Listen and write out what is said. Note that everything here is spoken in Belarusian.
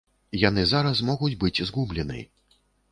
Яны зараз могуць быць згублены.